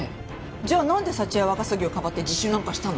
じゃあなんで佐知恵は若杉をかばって自首なんかしたの？